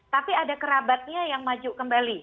tapi ada kerabatnya yang maju kembali